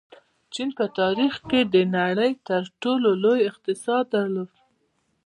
چین په تاریخ کې د نړۍ تر ټولو لوی اقتصاد درلود.